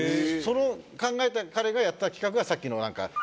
その考えた彼がやった企画がさっきのなんか。